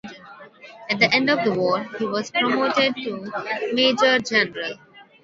At the end of the war, he was promoted to major general.